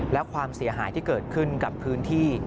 และความเสียหายที่เกิดขึ้นกับพื้นที่